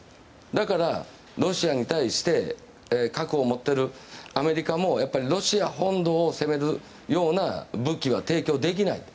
だから、ロシアに対して核を持っているアメリカもロシア本土を攻めるような武器は提供できない。